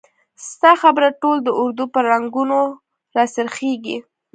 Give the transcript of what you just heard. ستا خبره ټول د اردو په ړنګولو را څرخیږي!